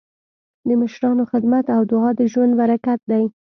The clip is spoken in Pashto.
د مشرانو خدمت او دعا د ژوند برکت دی.